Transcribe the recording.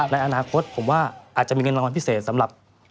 ในอนาคตผมว่าอาจจะมีเงินรางวัลพิเศษสำหรับ